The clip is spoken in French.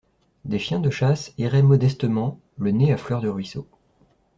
Des chiens de chasse erraient modestement, le nez à fleur de ruisseau.